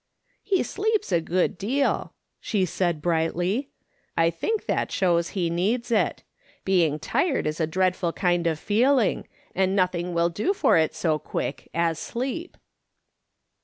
" He sleeps a good deal," she said brightly ;" I think that shows he needs it. Being tired is a dread ful kind of feeling, and nothing will do for it so quick as sleep."